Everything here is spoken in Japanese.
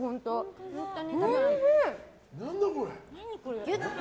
何だこれ。